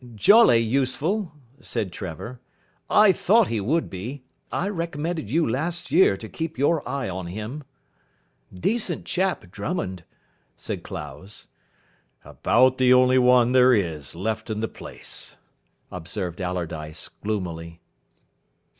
"Jolly useful," said Trevor. "I thought he would be. I recommended you last year to keep your eye on him." "Decent chap, Drummond," said Clowes. "About the only one there is left in the place," observed Allardyce gloomily.